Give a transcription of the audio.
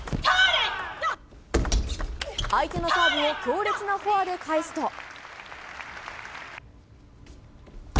相手のサーブを強烈なフォアで返すと。